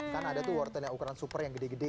karena ada tuh wortel yang ukuran super yang gede gede